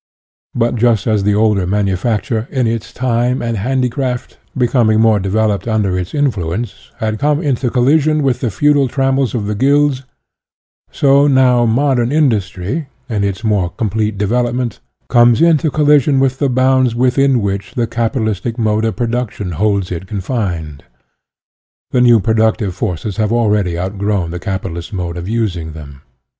But just as the older manufacture, in its time, and handicraft, becoming more developed under its influ ence, had come into collision with the feudal trammels of the guilds, so now modern in dustry, in its more complete development, comes into collision with the bounds within which the capitalistic mode of production holds it confined. The new productive forces have already outgrown the capital UTOPMN AND SCIENTIFIC 97 istic mode of using them.